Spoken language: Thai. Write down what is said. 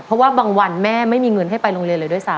เพราะว่าบางวันแม่ไม่มีเงินให้ไปโรงเรียนเลยด้วยซ้